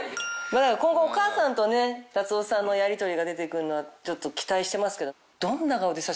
今後お母さんとね達男さんのやりとりが出てくるのはちょっと期待してますけど。